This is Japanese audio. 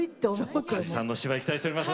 じゃ梶さんのお芝居期待しております。